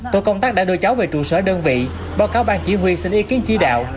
tổ công tác đã đưa cháu về trụ sở đơn vị báo cáo bang chỉ huy xin ý kiến chí đạo